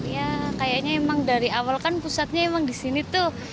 ya kayaknya emang dari awal kan pusatnya emang di sini tuh